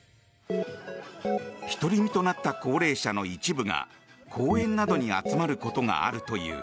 独り身となった高齢者の一部が公園などに集まることがあるという。